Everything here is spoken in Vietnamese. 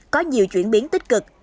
có nhiều chuyển biến tích cực